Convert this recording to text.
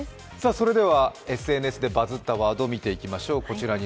それではＳＮＳでバズったワードを見ていきましょう。